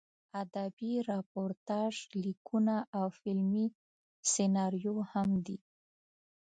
ادبي راپورتاژ لیکونه او فلمي سناریو هم دي.